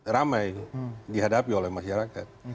ramai dihadapi oleh masyarakat